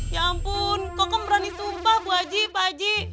ya ampun kokom berani sumpah bu aji pak aji